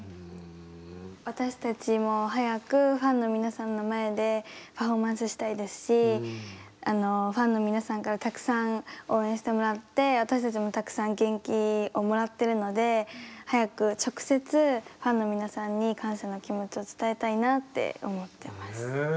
私たちも早くファンの皆さんの前でパフォーマンスしたいですしファンの皆さんからたくさん応援してもらって私たちもたくさん元気をもらってるので早く直接ファンの皆さんに感謝の気持ちを伝えたいなって思ってます。